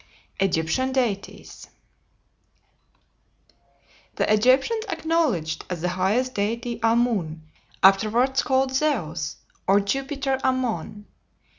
EGYPTIAN DEITIES The Egyptians acknowledged as the highest deity Amun, afterwards called Zeus, or Jupiter Ammon.